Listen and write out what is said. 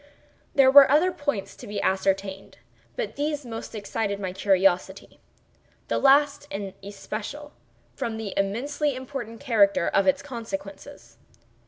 There were other points to be ascertained, but these most excited my curiosity—the last in especial, from the immensely important character of its consequences.